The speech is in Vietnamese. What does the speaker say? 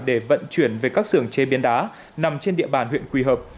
để vận chuyển về các xưởng chế biến đá nằm trên địa bàn huyện quỳ hợp